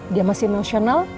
dia masih emosional